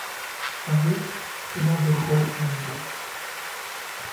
Andrews, cuna del golf mundial.